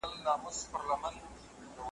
دا د وینې رګونه اراموي.